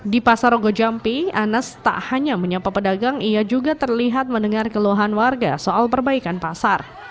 di pasar rogo jampi anas tak hanya menyapa pedagang ia juga terlihat mendengar keluhan warga soal perbaikan pasar